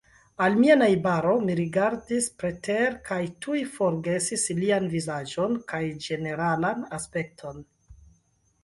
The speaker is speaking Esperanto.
Al mia najbaro mi rigardis pretere, kaj tuj forgesis lian vizaĝon kaj ĝeneralan aspekton.